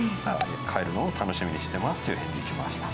帰るのを楽しみにしてますという返事来ました。